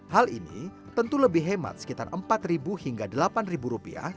hal ini tentu lebih hemat sekitar rp empat hingga rp delapan